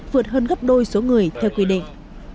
vượt hơn gấp đôi số người theo quy định